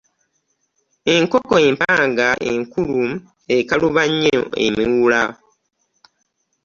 Enkonko empanga enkulu ekkaluba nnyo emiwula .